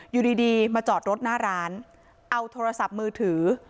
อยู่ดีมาจอดรถหน้าร้านเอาโทรศัพท์มือถือ